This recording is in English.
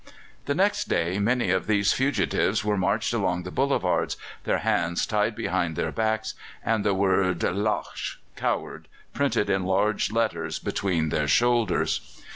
The next day many of these fugitives were marched along the boulevards, their hands tied behind their backs, and the word Lâche (coward) printed in large letters between their shoulders.